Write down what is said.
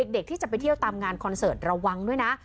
เด็กที่จะไปเที่ยวตามงานคอนเสิร์ตระวังด้วยนะ